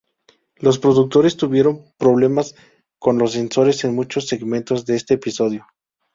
Los productores tuvieron problemas con los censores en muchos segmentos de este episodio.